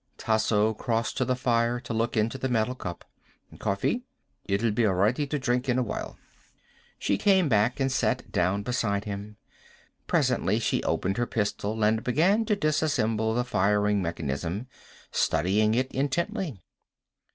Tasso crossed to the fire to look into the metal cup. "Coffee. It'll be ready to drink in awhile." She came back and sat down beside him. Presently she opened her pistol and began to disassemble the firing mechanism, studying it intently.